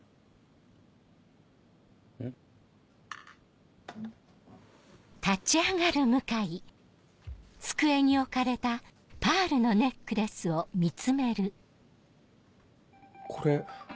ん？ん？これ。